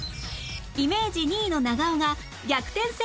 イメージ２位の長尾が逆転成功で１位！